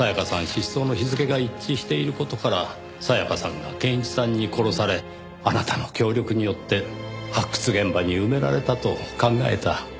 失踪の日付が一致している事から沙耶香さんが憲一さんに殺されあなたの協力によって発掘現場に埋められたと考えた。